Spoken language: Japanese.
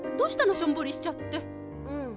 しょんぼりしちゃって。うん。